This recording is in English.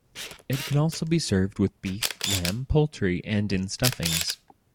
It can also be served with beef, lamb, poultry and in stuffings.